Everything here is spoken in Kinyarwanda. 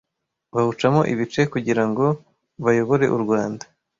bawucamo ibice kugira ngo bayobore u Rwanda